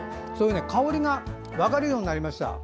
香りが分かるようになりました。